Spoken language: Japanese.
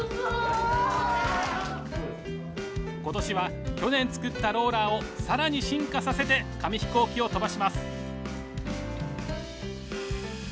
今年は去年作ったローラーを更に進化させて紙飛行機を飛ばします。